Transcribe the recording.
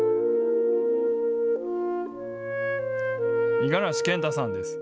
五十嵐健太さんです。